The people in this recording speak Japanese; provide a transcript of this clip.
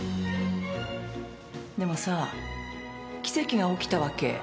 でもさ奇跡が起きたわけ。